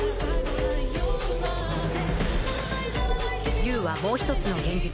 Ｕはもう一つの現実。